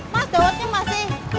mas jawabnya masih